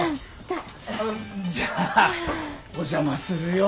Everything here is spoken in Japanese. じゃあお邪魔するよ。